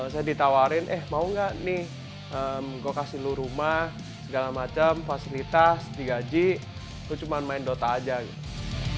saya ditawarin eh mau gak nih gue kasih lu rumah segala macam fasilitas digaji gue cuma main dota aja gitu